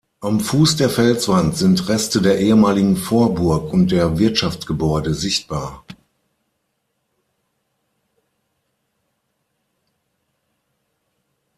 Am Fuss der Felswand sind Reste der ehemaligen Vorburg und der Wirtschaftsgebäude sichtbar.